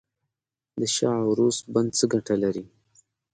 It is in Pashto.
د شاه و عروس بند څه ګټه لري؟